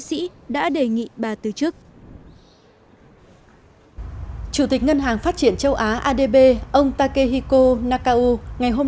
sĩ đã đề nghị bà từ chức chủ tịch ngân hàng phát triển châu á adb ông takehiko nakao ngày hôm